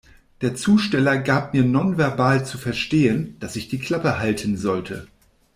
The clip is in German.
Der Zusteller gab mir nonverbal zu verstehen, dass ich die Klappe halten sollte.